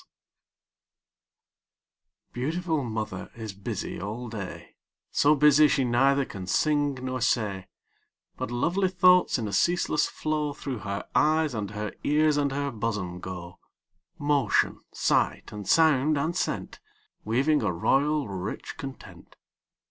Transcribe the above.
_ Beautiful mother is busy all day, So busy she neither can sing nor say; But lovely thoughts, in a ceaseless flow, Through her eyes, and her ears, and her bosom go Motion, sight, and sound, and scent, Weaving a royal, rich content.